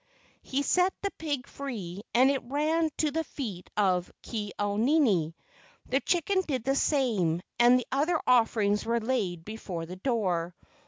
He set the pig free and it ran to the feet of Ke au nini. The chicken did the same, and the other offerings were laid before the door.